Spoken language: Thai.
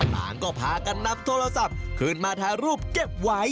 ต่างก็พากันนำโทรศัพท์ขึ้นมาถ่ายรูปเก็บไว้